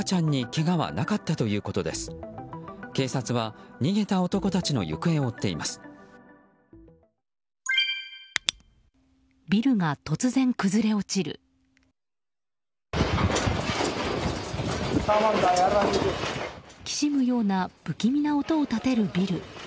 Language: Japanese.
きしむような不気味な音を立てるビル。